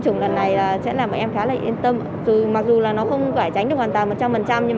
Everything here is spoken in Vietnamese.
chủng lần này sẽ làm bọn em khá là yên tâm mặc dù là nó không phải tránh được hoàn toàn một trăm linh nhưng